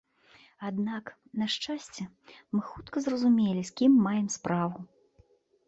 Аднак, на шчасце, мы хутка зразумелі, з кім маем справу.